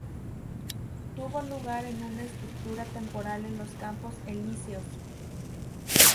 Tuvo lugar en una estructura temporal en los Campos Elíseos.